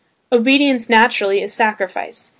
Obedience naturally is sacrifice.